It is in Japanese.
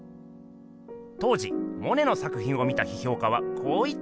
当時モネの作品を見た批評家はこう言ったそうです。